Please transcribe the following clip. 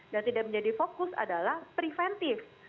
dan tidak menjadi fokus adalah preventif